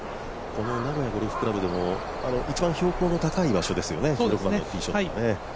この名古屋ゴルフクラブでも一番標高の高い場所ですよね。